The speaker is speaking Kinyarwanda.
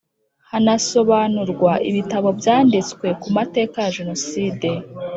Hanasobanurwa ibitabo byanditswe ku mateka ya Jenoside